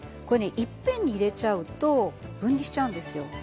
これねいっぺんに入れちゃうと分離しちゃうんですよ。